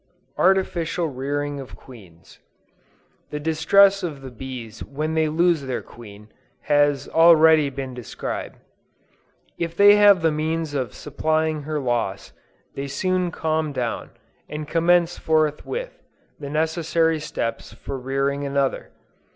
ARTIFICIAL REARING OF QUEENS. The distress of the bees when they lose their queen, has already been described. If they have the means of supplying her loss, they soon calm down, and commence forthwith, the necessary steps for rearing another.